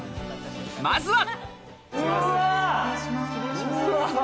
まずは。